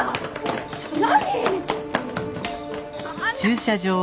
ちょっと。